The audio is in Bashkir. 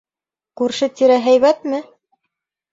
Күрше-тирә һәйбәтме?